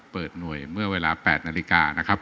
เปิดหน่วยเมื่อเวลา๘นาฬิกานะครับ